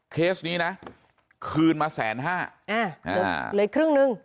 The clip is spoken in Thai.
เคสนี้นะคืนมาแสนห้าเหลือครึ่งหนึ่ง